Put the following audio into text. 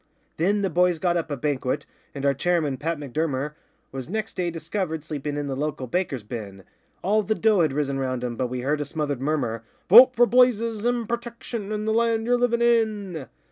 Then the boys got up a banquet, and our chairman, Pat M'Durmer, Was next day discovered sleeping in the local baker's bin All the dough had risen round him, but we heard a smothered murmur, 'Vote for Blazes and Protection and the land ye're livin' in.